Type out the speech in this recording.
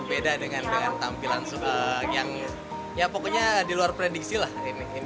beda dengan tampilan yang ya pokoknya di luar prediksi lah ini